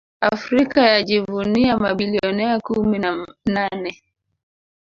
Afrika yajivunia mabilionea kumi na nane